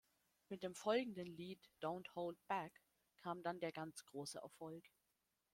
Mit dem folgenden Lied "Don't Hold Back" kam dann der ganz große Erfolg.